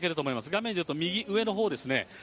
画面でいうと右上のほうですね。